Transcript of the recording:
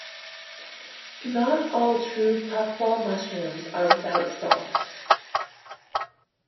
Not all true puffball mushrooms are without stalks.